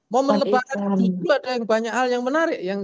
momen lebaran itu dulu ada yang banyak hal yang menarik